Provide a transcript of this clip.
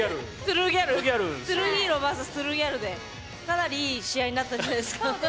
トゥルーヒーロー対トゥルーギャルでかなりいい試合になったんじゃないですか。